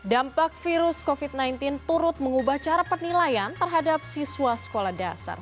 dampak virus covid sembilan belas turut mengubah cara penilaian terhadap siswa sekolah dasar